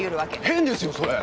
変ですよそれ！